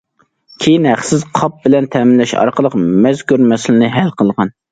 كېيىن ھەقسىز قاپ بىلەن تەمىنلەش ئارقىلىق مەزكۇر مەسىلىنى ھەل قىلغان.